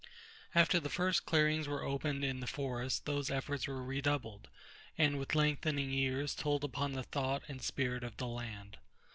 After the first clearings were opened in the forests those efforts were redoubled, and with lengthening years told upon the thought and spirit of the land.